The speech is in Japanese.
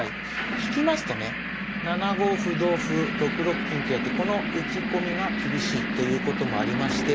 引きますとね７五歩同歩６六金とやってこの打ち込みが厳しいということもありまして